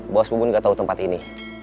bos ubon gak tahu tempat ini